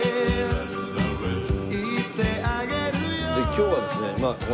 今日はですね